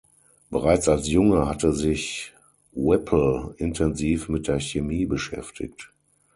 Bereits als Junge hatte sich Whipple intensiv mit der Chemie beschäftigt.